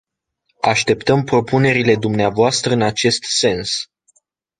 Așteptăm propunerile dvs. în acest sens.